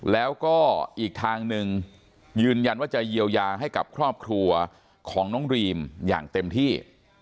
แล้วก็อีกทางหนึ่งยืนยันว่าจะเยียวยาให้กับครอบครัวของน้องรีมอย่างเต็มที่